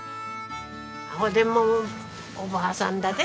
ほでもおばあさんだで。